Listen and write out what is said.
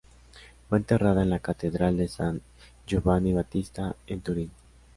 Fue enterrada en la Catedral de San Giovanni Battista en Turín.